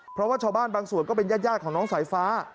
เพราะว่าชาวบ้านบางส่วนก็เป็นญาติของน้องสายฟ้า